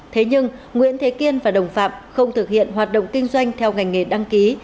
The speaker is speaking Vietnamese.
thế nhưng nguyễn thế kiên và đồng phạm không thực hiện hoạt động kinh doanh theo ngành nghề đăng ký